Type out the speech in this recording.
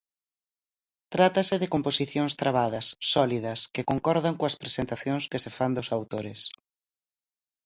Trátase de composicións trabadas, sólidas, que concordan coas presentacións que se fan dos autores.